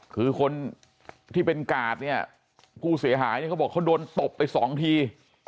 คือคนที่เป็นกาดเนี่ยผู้เสียหายเนี่ยเขาบอกเขาโดนตบไปสองที